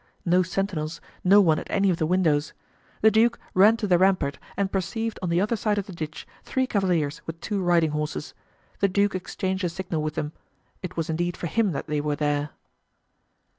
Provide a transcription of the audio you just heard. No sentinels, no one at any of the windows. The duke ran to the rampart and perceived on the other side of the ditch, three cavaliers with two riding horses. The duke exchanged a signal with them. It was indeed for him that they were there.